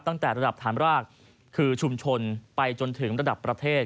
ตั้งแต่ระดับฐานรากคือชุมชนไปจนถึงระดับประเทศ